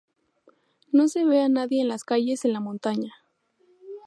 No se ve a nadie en las calles en la montaña.